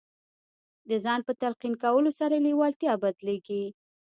د ځان په تلقین کولو سره لېوالتیا بدلېږي